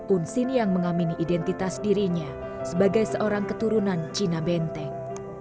unsin yang mengamini identitas dirinya sebagai seorang keturunan cina benteng